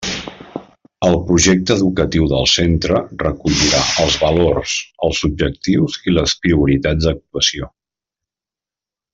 El projecte educatiu del centre recollirà els valors, els objectius i les prioritats d'actuació.